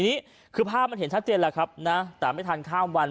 นี้คือภาพมันเห็นชัดเจนแล้วครับนะแต่ไม่ทันข้ามวัน